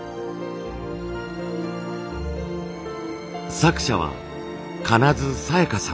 作者は金津沙矢香さん。